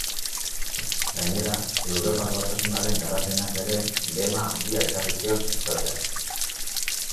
Gainera, Europar Batasunaren garapenak ere dema handia ekarri zion sektoreari.